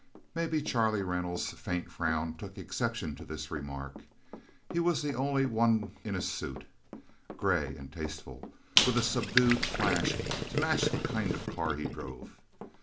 Maybe Charlie Reynolds' faint frown took exception to this remark. He was the only one in a suit, grey and tasteful, with a subdued flash to match the kind of car he drove.